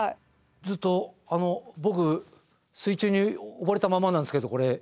ずっとあの僕水中に溺れたままなんですけどこれ。